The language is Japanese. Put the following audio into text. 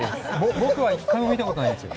僕は１回も見たことないんですよ。